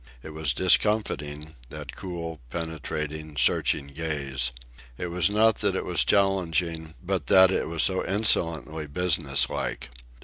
It was discomfiting, that cool, penetrating, searching gaze. It was not that it was challenging, but that it was so insolently business like.